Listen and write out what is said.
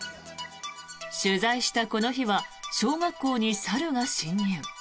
取材したこの日は小学校に猿が侵入。